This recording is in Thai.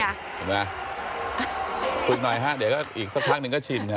เห็นไหมครับคุยหน่อยครับเดี๋ยวก็อีกสักครั้งหนึ่งก็ชิน